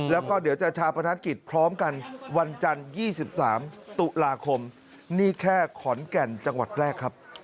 แล้วก็เดี๋ยวจะชาปนกิจพร้อมกันวันจันทร์๒๓ตุลาคมนี่แค่ขอนแก่นจังหวัดแรกครับ